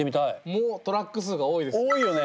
もうトラック数が多いですね。